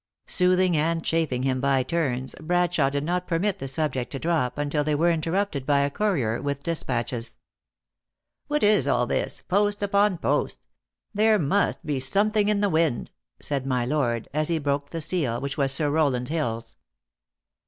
Soothing and chafing him by turns, Bradshawe did not permit the subject to drop until they were interrupted by a courier with de spatches. " What is all this ! Post upon post ! There must be some thing in the wind !" said my lord, as he broke the seal, which was Sir Rowland Hill s.